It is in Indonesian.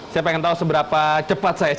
saya pengen tahu seberapa cepat saya